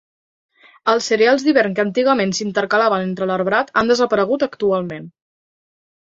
Els cereals d'hivern que antigament s'intercalaven entre l'arbrat, han desaparegut actualment.